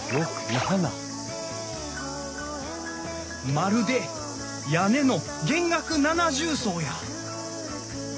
まるで屋根の弦楽七重奏や！